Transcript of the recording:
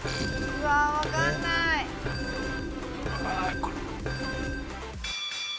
うわこれ。